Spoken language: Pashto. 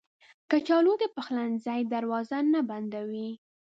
کچالو د پخلنځي دروازه نه بندوي